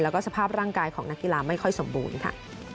แล้วก็สภาพร่างกายของนักกีฬาไม่ค่อยสมบูรณ์ค่ะ